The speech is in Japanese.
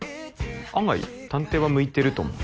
案外探偵は向いてると。